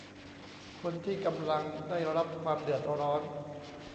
คนที่กำลังได้รับความเดือดร้อน